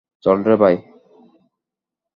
চল রে, ভাই।